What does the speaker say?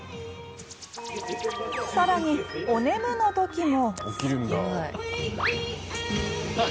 更に、おねむの時も。